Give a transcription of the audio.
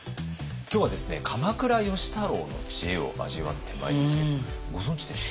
今日はですね鎌倉芳太郎の知恵を味わってまいりますけどご存じでした？